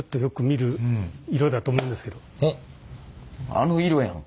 あの色やん。